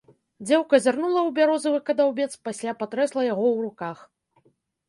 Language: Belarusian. Дзеўка зірнула ў бярозавы кадаўбец, пасля патрэсла яго ў руках.